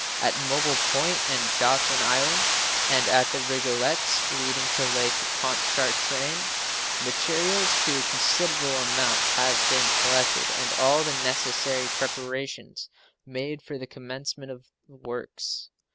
At Mobile Point and Dauphin Island, and at the Rigolets, leading to Lake Pontchartrain, materials to a considerable amount have been collected, and all the necessary preparations made for the commencement of the works.